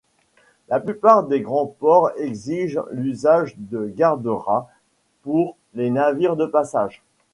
La plupart des grands ports exigent l'usage de garde-rats pour les navires de passage.